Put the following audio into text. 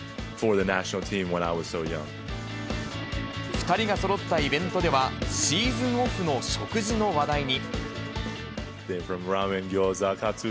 ２人がそろったイベントでは、シーズンオフの食事の話題に。